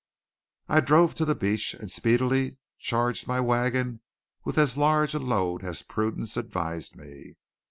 I drove to the beach, and speedily charged my wagon with as large a load as prudence advised me.